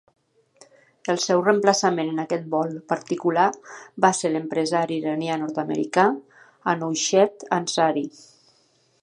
El seu reemplaçament en aquest vol particular va ser l'empresari iranià-nord-americà Anousheh Ansari.